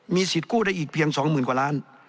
สิทธิ์กู้ได้อีกเพียง๒๐๐๐กว่าล้าน